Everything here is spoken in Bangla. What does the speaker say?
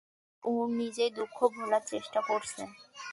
ও নিজের দুঃখ ভোলার চেষ্টা করছে।